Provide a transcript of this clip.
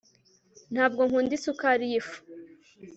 ntabwo nkunda isukari y'ifu